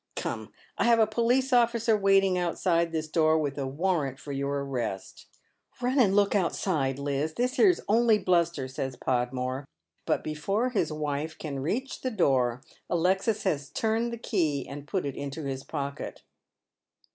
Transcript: Come, I have a police ol'ticer waiting outsido this door with a warrant for your arrest." "liunand look outside, Liz; this here's only bluster," says Podmore ; but before his wife can reach the door Alexis has turned the key and put it into his pocket.